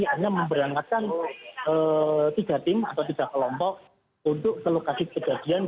hanya memberangkatkan tiga tim atau tiga kelompok untuk ke lokasi kejadian